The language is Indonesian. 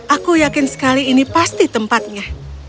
aku yakin sekali ini pasti tempatnya